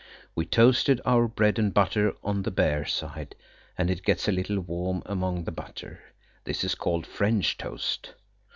We toasted our bread and butter on the bare side, and it gets a little warm among the butter. This is called French toast.